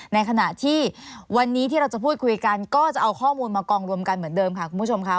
ในขณะที่วันนี้ที่เราจะพูดคุยกันก็จะเอาข้อมูลมากองรวมกันเหมือนเดิมค่ะคุณผู้ชมค่ะ